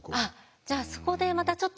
じゃあそこでまたちょっと。